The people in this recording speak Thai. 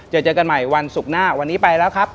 เจอเจอกันใหม่วันศุกร์หน้าวันนี้ไปแล้วครับ